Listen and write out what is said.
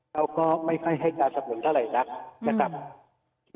เขาก็ไม่ค่อยให้การสนุนเท่าไหร่นักนะครับ